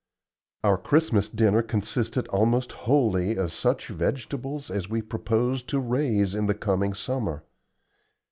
Our Christmas dinner consisted almost wholly of such vegetables as we proposed to raise in the coming summer.